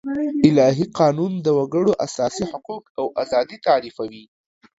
الهي قانون د وګړو اساسي حقوق او آزادي تعريفوي.